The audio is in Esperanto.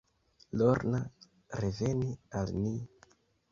Lorna, revenu al ni.